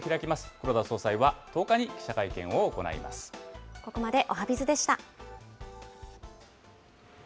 黒田総裁は１０日に記者会見を行ここまでおはＢｉｚでした。